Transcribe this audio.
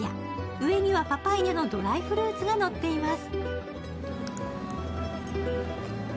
上にはパパイヤのドライフルーツがのっています。